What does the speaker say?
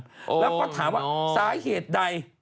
แล้วก็ถามว่าสาเหตุใด